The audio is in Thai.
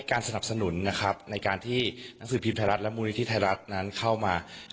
การสนับสนุนในการที่นักสือพิมพ์และมูลนิทธิทัยรัชนั้นเข้ามา